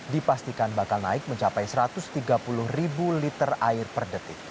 dipastikan bakal naik mencapai satu ratus tiga puluh ribu liter air per detik